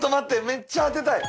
めっちゃ当てたい！